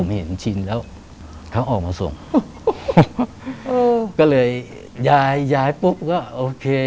ไม่เห็นชินแล้วเขาออกมาส่งเออก็เลยย้ายย้ายปุ๊บก็โอเค